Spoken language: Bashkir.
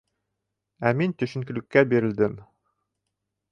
Ә мин төшөнкөлөккә бирелдем.